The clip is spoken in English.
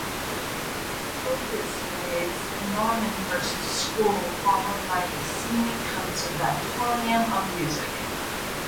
E. Tildesley's Normanhurst School, followed by the Sydney Conservatorium of Music.